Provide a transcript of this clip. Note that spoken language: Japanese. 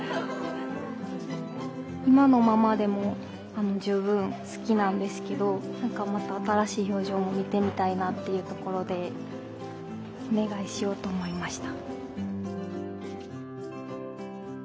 今のままでも十分好きなんですけど何かまた新しい表情も見てみたいなっていうところでお願いしようと思いました。